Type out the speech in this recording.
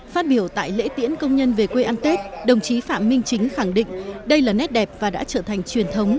phát biểu tại lễ tiễn công nhân về quê ăn tết đồng chí phạm minh chính khẳng định đây là nét đẹp và đã trở thành truyền thống